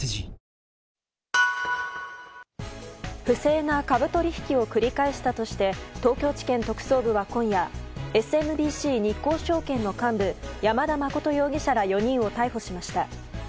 不正な株取引を繰り返したとして東京地検特捜部は今夜ＳＭＢＣ日興証券の幹部山田誠容疑者ら４人を逮捕しました。